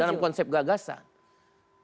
dalam konsep gagasan